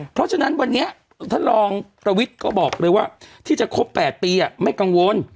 เพราะฉะนั้นวันนี้ท่านรองประวิทย์ก็บอกเลยว่าที่จะครบ๘ปีไม่กังวล